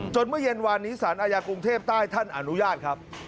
เมื่อเย็นวานนี้สารอาญากรุงเทพใต้ท่านอนุญาตครับ